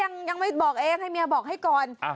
ยังไม่บอกเองให้เมียบอกให้ก่อน